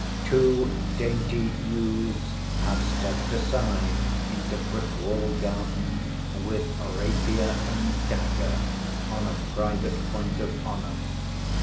Two dainty youths have stepped aside into Brickwall garden with rapier and dagger on a private point of honour.